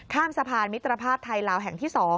ข้ามสะพานมิตรภาพไทยลาวแห่งที่๒